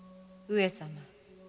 上様。